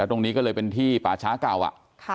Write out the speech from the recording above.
แล้วตรงนี้ก็เลยเป็นที่ป่าช้าเก่าอ่ะค่ะ